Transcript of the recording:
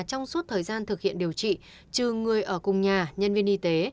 trong suốt thời gian thực hiện điều trị trừ người ở cùng nhà nhân viên y tế